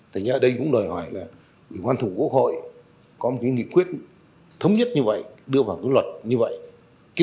thế nhưng ở đây cũng đòi hỏi là quân thủ quốc hội có những nghị quyết thống nhất như vậy đưa vào những luật như vậy